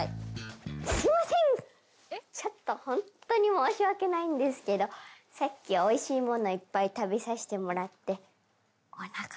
ちょっとホントに申し訳ないんですけどさっきおいしい物いっぱい食べさせてもらって。